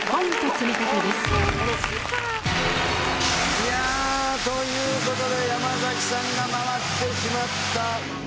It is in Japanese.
いやという事で山崎さんが回ってしまった。